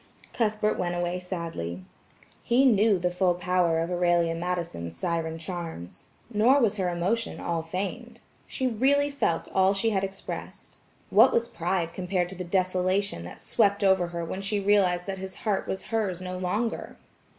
Cuthbert went away sadly. He knew the full power of Aurelia Madison's siren charms. Nor was her emotion all feigned. She really felt all she had expressed. What was pride compared to the desolation that swept over her when she realized that his heart was hers no longer?